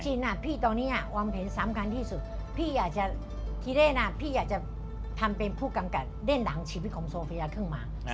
จริงพี่ตอนนี้วางแผนสำคัญที่สุดพี่อาจจะที่เล่นพี่อาจจะทำเป็นผู้กำกัดเล่นหลังชีวิตของโซเฟียขึ้นมา